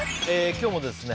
今日もですね